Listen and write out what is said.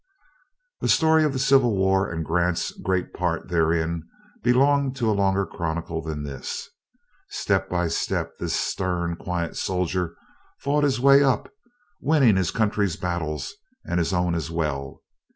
The story of the Civil War and Grant's great part therein belong to a longer chronicle than this. Step by step this stern, quiet soldier fought his way up, winning his country's battles and his own as well.